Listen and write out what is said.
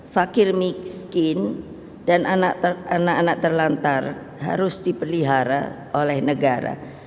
fakir miskin dan anak anak terlantar harus dipelihara oleh negara